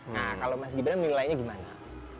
nah kalau mas gibran nilainya gimana